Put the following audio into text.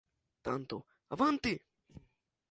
Tanto "Avante!